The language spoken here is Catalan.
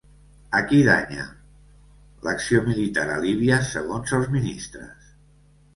A qui danya l'acció militar a Líbia segons els ministres?